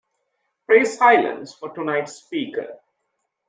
Pray silence for tonight’s speaker.